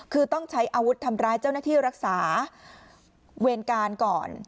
คือต้องใช้อาวุธทำร้ายเจ้าหน้าที่รักษาเวรการก่อน